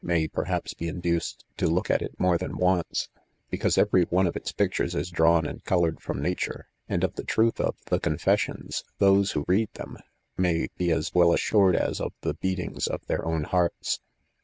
may, perhajSj be induced to look at it more than once j because every one of its pictures is drawn and coloured from nature j and of the truth of " The Confessions," those who read them may be as well assured as of the beatings of their owe hearts.